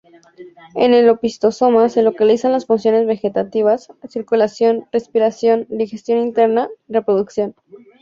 En el opistosoma se localizan las funciones vegetativas: circulación, respiración, digestión interna, reproducción.